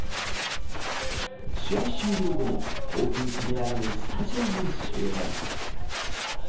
試合終了後も興奮冷めやらぬスタジアム周辺。